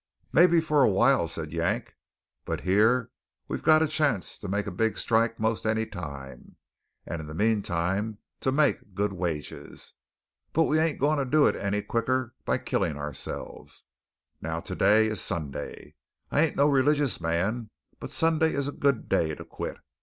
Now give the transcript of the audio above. "Maybe for a while," said Yank, "but here we got a chance to make a big strike most any time; and in the meantime to make good wages. But we ain't going to do it any quicker by killin' ourselves. Now to day is Sunday. I ain't no religious man; but Sunday is a good day to quit.